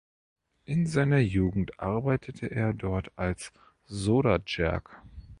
In seiner Jugend arbeitete er dort als Soda Jerk.